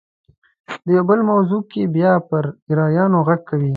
په یو بل مضمون کې بیا پر ایرانیانو غږ کوي.